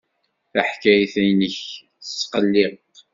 Taḥkayt-nnek tesqelliq.